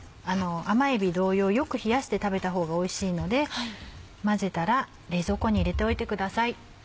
甘えび同様よく冷やして食べたほうがおいしいので混ぜたら冷蔵庫に入れておいてください。